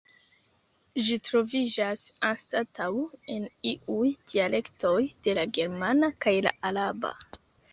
Ĝi troviĝas anstataŭ en iuj dialektoj de la germana kaj la araba.